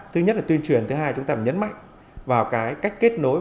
thứ nhất là tuyên truyền thứ hai chúng ta phải nhấn mạnh vào cách kết nối